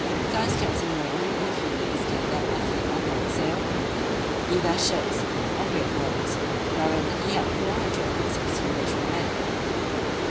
Thus Captain Morgan in a few days gathered a fleet of nine sail, either ships or great boats, wherein he had four hundred and sixty military men.